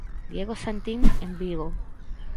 Diego Santim en Vigo.